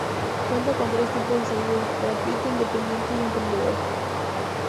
Cuenta con tres tipos de seguro: Gratuito, Independiente y Emprendedor.